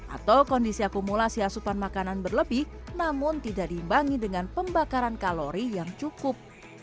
atau kondisi akumulasi asupan makanan berlebih namun tidak diimbangi dengan pembakaran kalori yang cukup